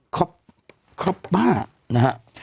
ครอบครอบบ้านะครับ